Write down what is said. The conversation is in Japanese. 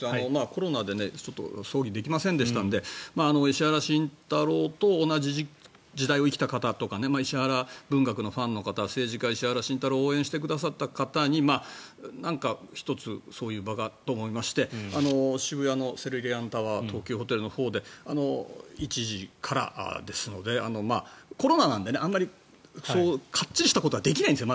コロナで葬儀ができませんでしたので石原慎太郎と同じ時代を生きた方とか石原文学のファンの方政治家、石原慎太郎を応援してくださった方になにか１つそういう場がと思いまして渋谷の、セルリアンタワー東急ホテルのほうで１時からですのでコロナなのであまりかっちりしたことはできないんです。